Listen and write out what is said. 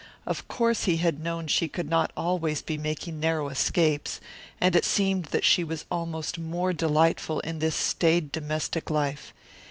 Of course he had known she could not always be making narrow escapes, and it seemed that she was almost more delightful in this staid domestic life.